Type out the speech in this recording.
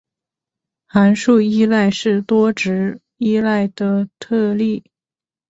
函数依赖是多值依赖的特例。